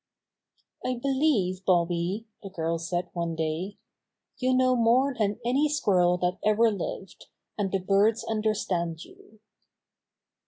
"I believe, Bobby," the girl said one day, "you know more than any squirrel that ever lived. And the birds understand you."